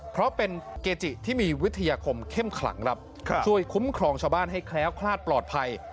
เพราะเป็นเกจิที่มีวิทยาคมเข้มขลังครับช่วยคุ้มครองชาวบ้านให้แคล้วคลาดปลอดภัย